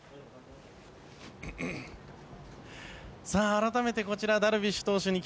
改めて、こちらダルビッシュ投手に